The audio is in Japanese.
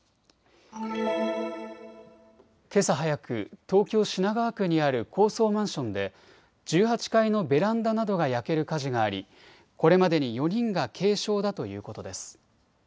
けさ早く東京品川区にある高層マンションで１８階のベランダなどが焼ける火事がありこれまでに４人が軽症だということです。